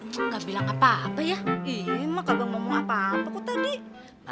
jangan berangkat mungkak muhyiddin